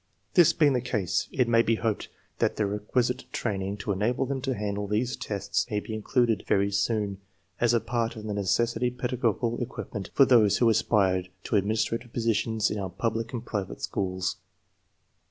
This being the case it may be hoped that the requi site training to enable them to handle these tests may be included, very soon, as a part of the necessary pedagogical equipment of those who aspire to administrative positions in our public and private schools.